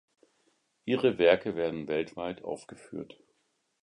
Ihre Werke werden weltweit aufgeführt.